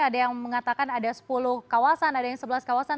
ada yang mengatakan ada sepuluh kawasan ada yang sebelas kawasan